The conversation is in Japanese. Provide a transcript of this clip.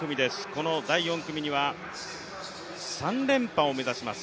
この第４組には３連覇を目指します。